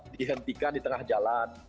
dihentikan di tengah jalan